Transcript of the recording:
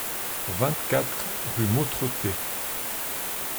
vingt-quatre rue Mautroté